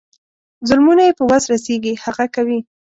ظلمونه یې په وس رسیږي هغه کوي.